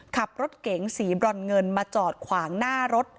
ขับรถเก๋งสีบรอนเงินมาจอดขวางหน้ารถ